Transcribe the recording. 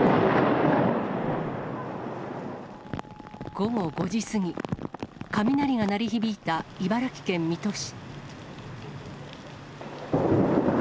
午後５時過ぎ、雷が鳴り響いた茨城県水戸市。